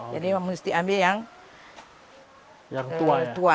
jadi mesti ambil yang tua